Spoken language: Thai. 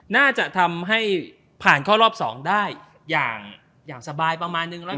น่าจะทำให้ผ่านเข้ารอบ๒ได้อย่างสบายประมาณนึงแล้วกัน